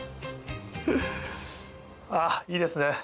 あっいいですね。